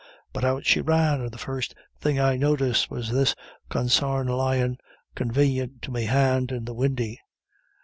But out she ran, and the first thing I noticed was this consarn lyin' convanient to me hand in the windy.